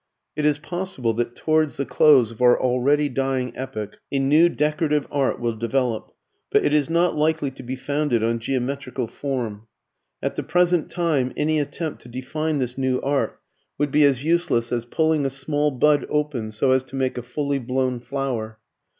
It is possible that towards the close of our already dying epoch a new decorative art will develop, but it is not likely to be founded on geometrical form. At the present time any attempt to define this new art would be as useless as pulling a small bud open so as to make a fully blown flower.